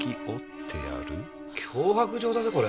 脅迫状だぜこれ。